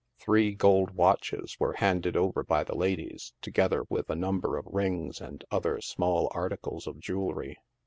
Three gold watches were handed over by the ladies, together with a number of rings and other small articles of jewelry.